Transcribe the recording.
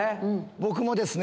僕もですね